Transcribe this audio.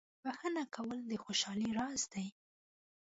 • بخښنه کول د خوشحالۍ راز دی.